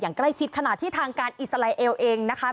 ใกล้ชิดขณะที่ทางการอิสราเอลเองนะคะ